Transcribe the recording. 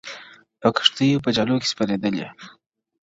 په کښتیو په جالو کي سپرېدلې!.